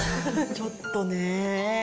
ちょっとね。